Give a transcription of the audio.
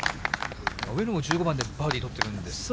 上野も１５番でバーディー取ってるんですね。